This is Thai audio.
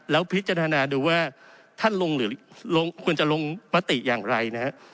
แล้วพิจารณาดูว่าท่านลงหรือควรจะลงมติอย่างไรนะฮะ